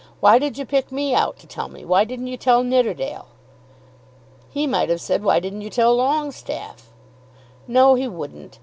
Why did you pick me out to tell me? Why didn't you tell Nidderdale?" "He might have said, why didn't you tell Longestaffe?" "No, he wouldn't.